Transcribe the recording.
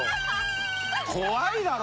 怖いだろ。